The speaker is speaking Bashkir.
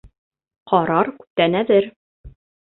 Ҡарар күптән әҙер.